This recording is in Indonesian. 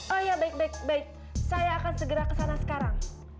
oh ya baik baik saya akan segera ke sana sekarang